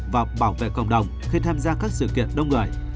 và bảo vệ cộng đồng khi tham gia các sự kiện đông người